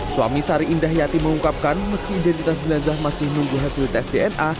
suami sari indah yati mengungkapkan meski identitas jenazah masih menunggu hasil tes dna